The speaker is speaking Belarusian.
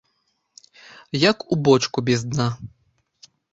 Як у бочку без дна.